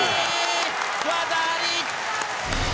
技あり！